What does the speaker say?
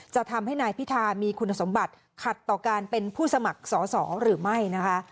จะทำให้นายพิธามีคุณสมบัติขัดต่อการเป็นผู้สมัครสอสอหรือไม่นะคะ